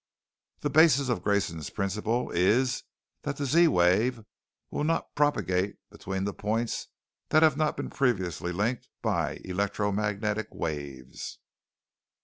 "The basis of Grayson's Principle is that the Z wave will not propagate between points that have not previously been linked by electromagnetic waves!"